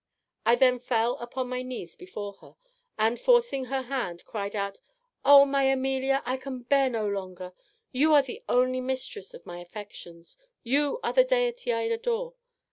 "I then fell on my knees before her; and, forcing her hand, cried out, O, my Amelia! I can bear no longer. You are the only mistress of my affections; you are the deity I adore.